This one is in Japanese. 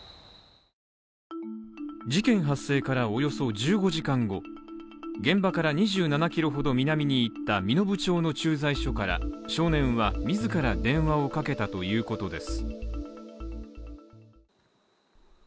事件発生からおよそ１５時間後、現場から２７キロほど南に行った身延町の駐在所から少年は、自ら電話をかけたということです。